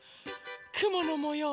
くものもよう。